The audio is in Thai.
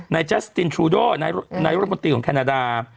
นายแจสตินทรูดอลนายรัฐมนตรีของแคนาดา